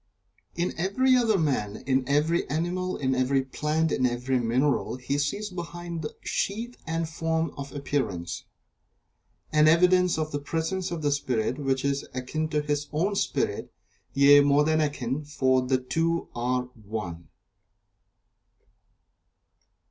In every other man in every animal in every plant in every mineral he sees behind the sheath and form of appearance, an evidence of the presence of the Spirit which is akin to his own Spirit yea, more than akin, for the two are One.